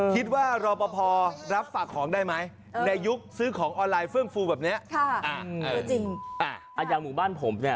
คิดว่ารปภรับฝากด้าใหม่ในยุคคลุมสื่อของออนไลน์แบบนี้